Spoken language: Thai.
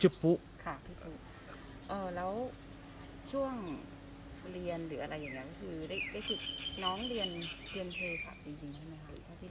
ชื่อปุ๊กเออแล้วช่วงเรียนหรืออะไรอย่างเงี้ยก็คือน้องเรียน